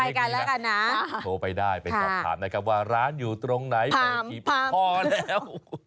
ไปกันแล้วกันนะโทรไปได้ไปสอบถามนะครับว่าร้านอยู่ตรงไหนเปิดกี่ปีพอแล้ว